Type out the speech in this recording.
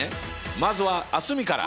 まずは蒼澄から。